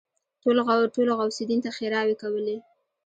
ټولو غوث الدين ته ښېراوې کولې.